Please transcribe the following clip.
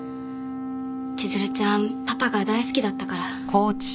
千鶴ちゃんパパが大好きだったから。